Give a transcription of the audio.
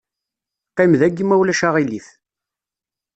Qqim daki ma ulac aɣilif.